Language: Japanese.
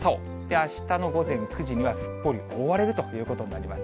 あしたの午前９時にはすっぽり覆われるということになります。